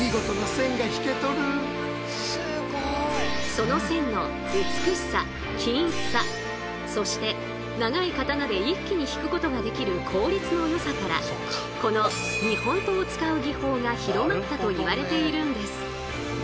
その線の美しさ均一さそして長い刀で一気に引くことができる効率のよさからこの日本刀を使う技法が広まったといわれているんです。